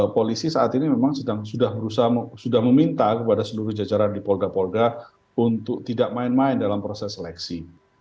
polisi saat ini memang sudah meminta kepada seluruh jajaran di polda polda untuk tidak main main dalam proses seleksi